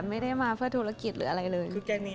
ไม่ได้มาเพื่อธุรกิจหรืออะไรเลย